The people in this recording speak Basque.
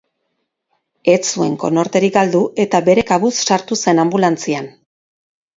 Ez zuen konorterik galdu eta bere kabuz sartu zen anbulantzian.